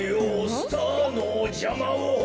スターのじゃまを」